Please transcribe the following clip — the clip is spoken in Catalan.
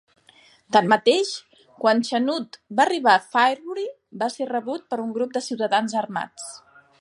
Tanmateix, quan Chanute va arribar a Fairbury, va ser rebut per un grup de ciutadans armats.